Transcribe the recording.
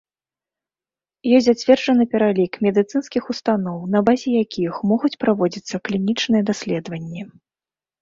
Ёсць зацверджаны пералік медыцынскіх устаноў, на базе якіх могуць праводзіцца клінічныя даследаванні.